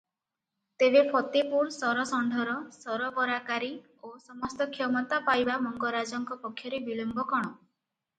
ତେବେ ଫତେପୂର ସରଷଣ୍ତର ସରବରାକାରୀ ଓ ସମସ୍ତ କ୍ଷମତା ପାଇବା ମଙ୍ଗରାଜଙ୍କ ପକ୍ଷରେ ବିଳମ୍ବ କଣ?